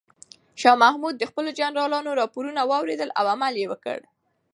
شاه محمود د خپلو جنرالانو راپورونه واورېدل او عمل یې وکړ.